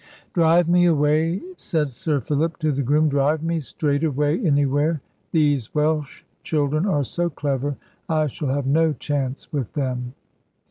"Drive me away," said Sir Philip to the groom; "drive me straight away anywhere: these Welsh children are so clever, I shall have no chance with them."